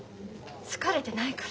好かれてないから。